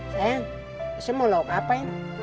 sayang saya mau lakukan apa ya